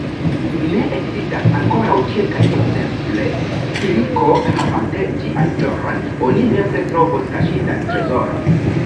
Ne, ekzistas ankoraŭ kelkaj, ekzemple, filiko: havante ĝian floron, oni nepre trovos kaŝitan trezoron.